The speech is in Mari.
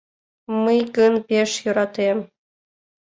— Мый гын пеш йӧратем.